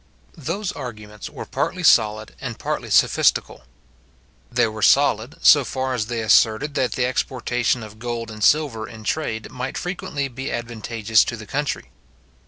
Those arguments were partly solid and partly sophistical. They were solid, so far as they asserted that the exportation of gold and silver in trade might frequently be advantageous to the country.